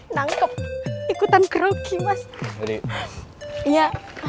nangkep ikutan karaoke mas iya